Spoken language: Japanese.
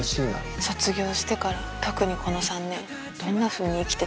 卒業してから特にこの３年どんなふうに生きてたんだろうって。